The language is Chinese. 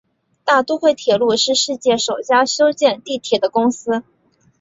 大都会铁路是世界首家修建地铁的公司。